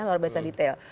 luar biasa detail